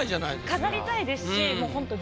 飾りたいですしほんと